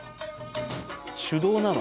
手動なの？